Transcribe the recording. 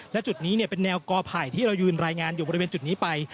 และจุดนี้เป็นแนวกอไผ่ที่เรายืนรายงานอยู่บริเวณจุดนี้ไป